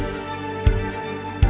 jangan lupa untuk mencoba